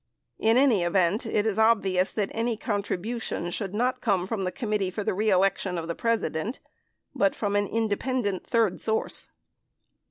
In any event, it is obvious that any contribution should not come from the Committee for the Re Election of the President, but from an independent third source.